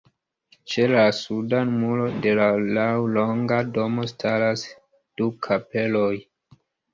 Ĉe la suda muro de la laŭlonga domo staras du kapeloj.